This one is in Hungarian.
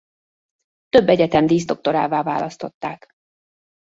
Több egyetem díszdoktorává választották.